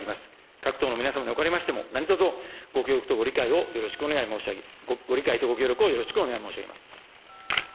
各党の皆様におかれましても、何とぞご協力とご理解をよろしくお願い申し上げ、ご理解とご協力をよろしくお願い申し上げます。